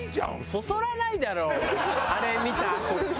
そそらないだろあれ見たあとに。